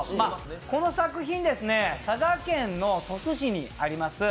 この作品、佐賀県の鳥栖市にあります